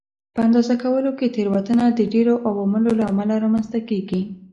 په اندازه کولو کې تېروتنه د ډېرو عواملو له امله رامنځته کېږي.